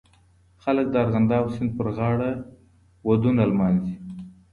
خلک د ارغنداب سیند پرغاړه ودونه لمانځي.